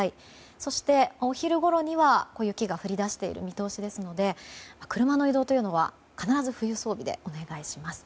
そして、お昼ごろには雪が降り出している見通しですので車の移動は必ず冬装備でお願いします。